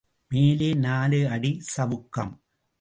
மேலே நாலு அடிச் சவுக்கம்.